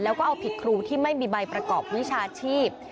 แล้วก็เอาผิดครูที่ไม่มีใบประกอบวิชาชีพ